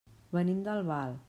Venim d'Albal.